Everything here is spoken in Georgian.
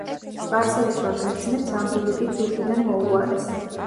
სპარსელებმა ბერძნებს ამ ბილიკით ზურგიდან მოუარეს.